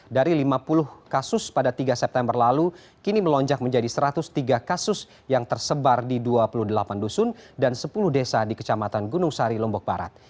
dari lima puluh kasus pada tiga september lalu kini melonjak menjadi satu ratus tiga kasus yang tersebar di dua puluh delapan dusun dan sepuluh desa di kecamatan gunung sari lombok barat